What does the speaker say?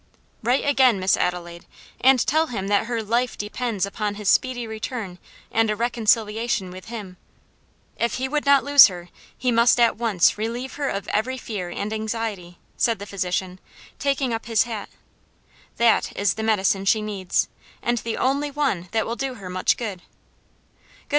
"Write again, Miss Adelaide, and tell him that her life depends upon his speedy return and a reconciliation with him. If he would not lose her he must at once relieve her of every fear and anxiety," said the physician, taking up his hat. "That is the medicine she needs, and the only one that will do her much good.